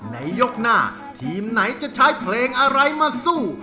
ในยกหน้าทีมไหนจะใช้เพลงอะไรมาสู้